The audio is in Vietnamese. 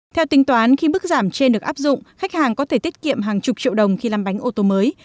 theo tính toán khi bức giảm trên được áp dụng khách hàng có thể tiết kiệm hàng chục triệu đồng khi làm bánh ô tô mới